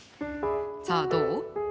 さあどう？